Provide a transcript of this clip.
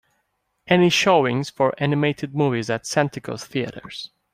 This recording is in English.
Any showings for animated movies at Santikos Theatres.